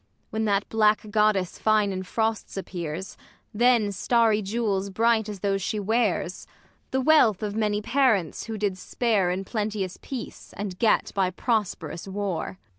When that black goddess fine in frosts appears, Then starry jewels bright as these she wears : The wealth of many parents who did spare 188 THE LAW AGAINST LOVERS. In plenteous peace, and get by prosperous war.